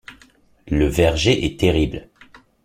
Le verger est terrible.